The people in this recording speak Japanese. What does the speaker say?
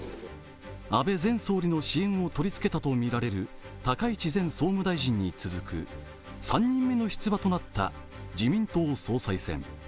安倍前総理の支援を取り付けたとみられる高市前総務大臣に続く３人目の出馬となった、自民党総裁選挙。